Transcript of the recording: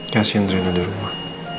kasian rina di rumah